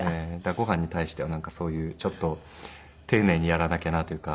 ご飯に対してはなんかそういうちょっと丁寧にやらなきゃなというか。